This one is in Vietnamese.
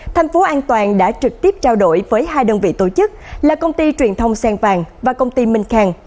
thành phố an toàn đã trực tiếp trao đổi với hai đơn vị tổ chức là công ty truyền thông sen vàng và công ty minh khang